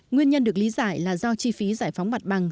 nguyên nhân được lý giải là do chi phí giải phóng mặt bằng